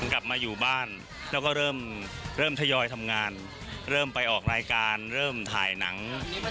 กลับมาอยู่บ้านแล้วก็เริ่มเริ่มทยอยทำงานเริ่มไปออกรายการเริ่มถ่ายหนัง